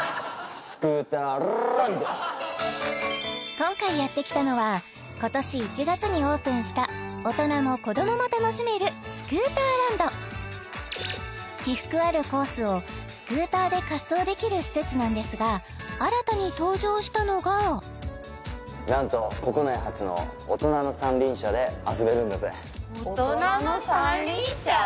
今回やってきたのは今年１月にオープンした大人も子供も楽しめるスクーターランド起伏あるコースをスクーターで滑走できる施設なんですが新たに登場したのがなんとこれが三輪車へえお！